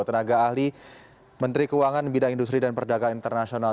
tenaga ahli menteri keuangan bidang industri dan perdagangan internasional